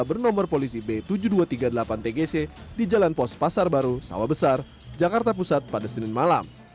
bernomor polisi b tujuh ribu dua ratus tiga puluh delapan tgc di jalan pos pasar baru sawah besar jakarta pusat pada senin malam